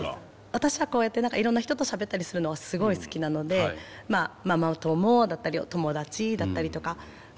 私はこうやっていろんな人としゃべったりするのはすごい好きなのでまあママ友だったり友達だったりとかたくさん。